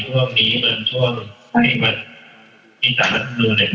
ตอนนี้ในการติดตามโทรศาสตร์ให้ภาทอายุทธัศน์